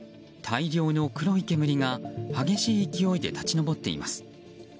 大量の黒い煙が激しい勢いで立ち上っています。